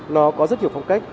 nó có rất nhiều phong cách